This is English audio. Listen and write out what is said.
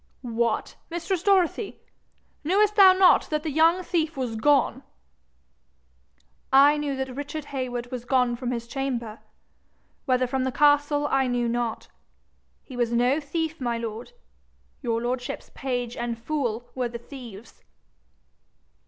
'What, mistress Dorothy! knewest thou not that the young thief was gone?' 'I knew that Richard Heywood was gone from his chamber whether from the castle I knew not. He was no thief, my lord. Your lordship's page and fool were the thieves.'